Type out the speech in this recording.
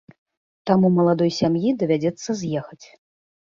Таму маладой сям'і давядзецца з'ехаць.